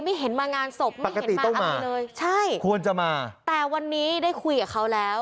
ไม่เห็นมางานศพปกติต้องมาใช่ควรจะมาแต่วันนี้ได้คุยกับเขาแล้ว